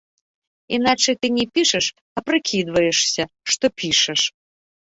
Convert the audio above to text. Іначай ты не пішаш, а прыкідваешся, што пішаш.